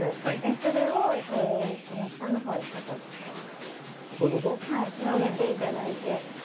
それを下の方に広げていただいて。